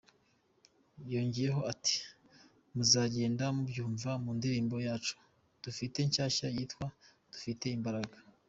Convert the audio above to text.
Yongeyeho ati "Muzagenda mubyumva mu ndirimbo yacu dufite nshyashya yitwa ’Dufite Imbaraga’.